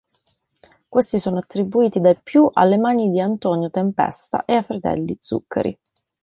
Questi sono attribuiti dai più alla mano di Antonio Tempesta e ai fratelli Zuccari.